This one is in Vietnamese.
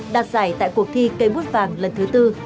đạt giải tại cuộc thi cây bút vàng lần thứ tư